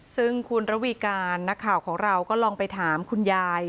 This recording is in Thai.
ซึ่งคุณระวีการนักข่าวของเราก็ลองไปถามคุณยาย